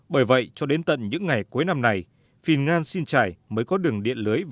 bởi vậy cho đến tận những ngày cuối năm này phìn ngan xin trải mới có đường điện lưới